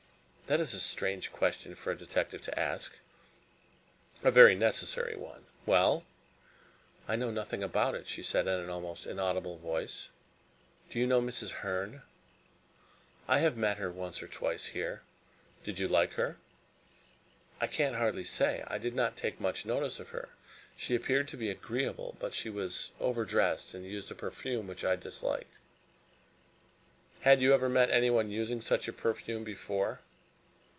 "That is a strange question for a detective to ask." "A very necessary one. Well?" "I know nothing about it," she said in an almost inaudible voice. "Do you know Mrs. Herne?" "I have met her once or twice here." "Did you like her?" "I can hardly say. I did not take much notice of her. She appeared to be agreeable, but she was over dressed and used a perfume which I disliked." "Had you ever met anyone using such a perfume before?"